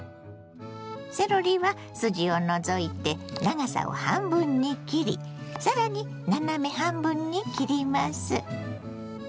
セロリは筋を除いて長さを半分に切りさらに斜め半分に切ります。